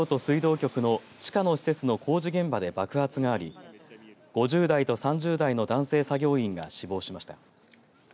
局の地下の施設の工事現場で爆発があり５０代と３０代の男性作業員が死亡しました。